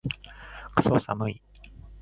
クソ寒い